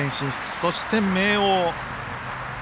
そして、明桜。